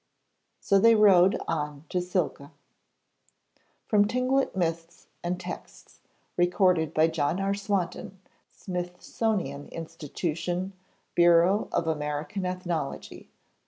So they rowed on to Silka. [From Tlingit Myths and Texts, recorded by JOHN R. SWANTON, Smithsonian Institution, Bureau of American Ethnology.